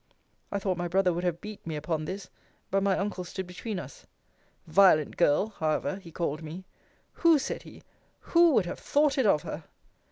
I thought my brother would have beat me upon this: but my uncle stood between us. Violent girl, however, he called me Who, said he, who would have thought it of her?